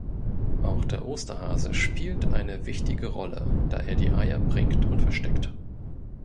Auch der Osterhase spielt eine wichtige Rolle, da er die Eier bringt und versteckt.